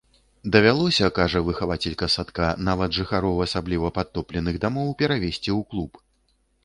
Давялося, кажа выхавацелька садка, нават жыхароў асабліва падтопленых дамоў перавезці ў клуб.